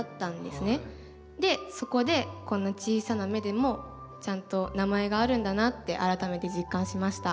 でそこでこんな小さな芽でもちゃんと名前があるんだなって改めて実感しました。